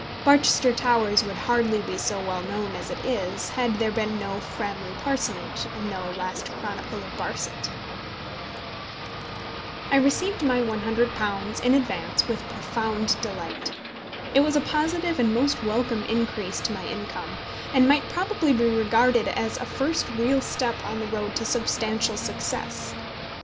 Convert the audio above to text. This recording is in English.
Barchester Towers would hardly be so well known as it is had there been no Framley Parsonage and no Last Chronicle of Barset. I received my £100, in advance, with profound delight. It was a positive and most welcome increase to my income, and might probably be regarded as a first real step on the road to substantial success.